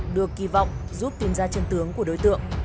được kỳ vọng giúp tìm ra chân tướng của đối tượng